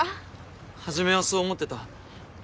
初めはそう思ってた。